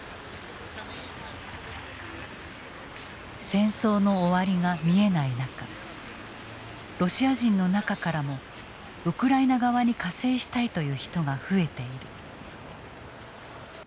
戦争の終わりが見えない中ロシア人の中からもウクライナ側に加勢したいという人が増えている。